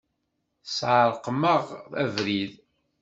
Tesεerqem-aɣ abrid.